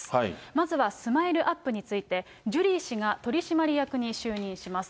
まずはスマイルアップについて、ジュリー氏が取締役に就任します。